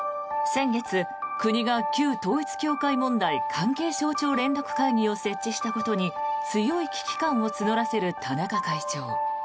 先月、国が旧統一教会問題関係省庁連絡会議を設置したことに強い危機感を募らせる田中会長。